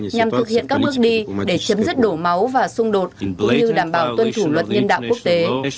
nhằm thực hiện các bước đi để chấm dứt đổ máu và xung đột cũng như đảm bảo tuân thủ luật nhân đạo quốc tế